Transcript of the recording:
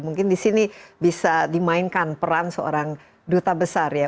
mungkin di sini bisa dimainkan peran seorang duta besar ya